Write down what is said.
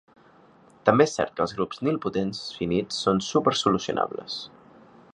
També és cert que els grups nilpotents finits són super solucionables.